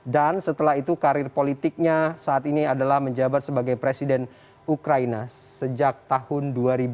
dan setelah itu karir politiknya saat ini adalah menjabat sebagai presiden ukraina sejak tahun dua ribu sembilan belas